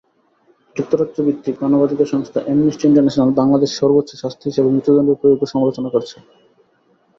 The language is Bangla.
যুক্তরাজ্যভিত্তিক মানবাধিকার সংস্থা অ্যামনেস্টি ইন্টারন্যাশনাল বাংলাদেশে সর্বোচ্চ শাস্তি হিসেবে মৃত্যুদণ্ডের প্রয়োগের সমালোচনা করেছে।